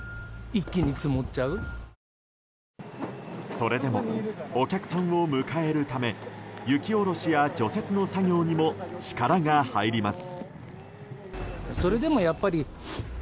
それでもお客さんを迎えるため雪下ろしや除雪の作業にも力が入ります。